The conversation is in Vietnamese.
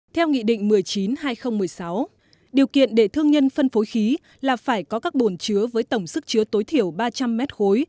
theo nghị định một mươi chín hai nghìn một mươi sáu điều kiện để thương nhân phân phối khí là phải có các bồn chứa với tổng sức chứa tối thiểu ba trăm linh m ba